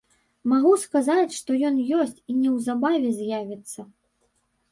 Магу сказаць, што ён ёсць і неўзабаве з'явіцца.